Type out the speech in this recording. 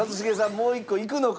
もう１個いくのか？